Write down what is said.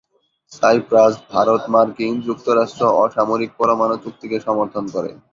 Cypress ভারত-মার্কিন যুক্তরাষ্ট্র অসামরিক পরমাণু চুক্তিকে সমর্থন করে।